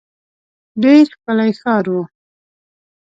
ډېر ښکلی ښار وو.